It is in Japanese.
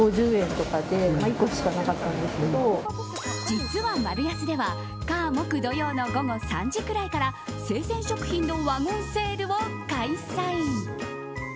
実はマルヤスでは火、木、土曜の午後３時くらいから生鮮食品のワゴンセールを開催。